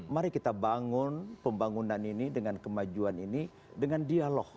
mari kita bangun pembangunan ini dengan kemajuan ini dengan dialog